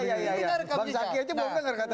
bang saky aja mau denger katanya